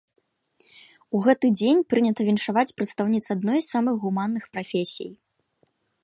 У гэты дзень прынята віншаваць прадстаўніц адной з самых гуманных прафесій.